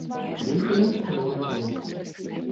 Ёй каля чатырох гадоў.